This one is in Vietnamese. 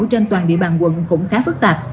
trên toàn địa bàn quận cũng khá phức tạp